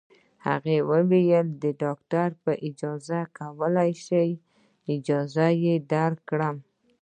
هغې وویل: د ډاکټر په اجازه کولای شې، که یې اجازه درکړه.